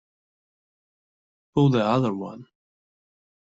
Pull the other one!